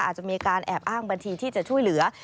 อาจจะมีการแอบอ้างบัญชีที่จะช่วยเหลือ